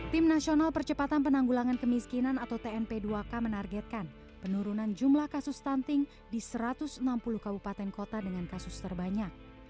tim nasional percepatan penanggulangan kemiskinan atau tnp dua k menargetkan penurunan jumlah kasus stunting di satu ratus enam puluh kabupaten kota dengan kasus terbanyak